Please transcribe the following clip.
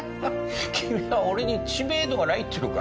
君は俺に知名度がないっていうのか？